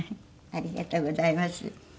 ありがとうございます。